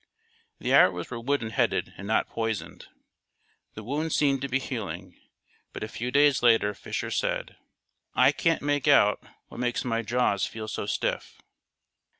The arrows were wooden headed and not poisoned. The wounds seemed to be healing, but a few days later Fisher said, "I can't make out what makes my jaws feel so stiff."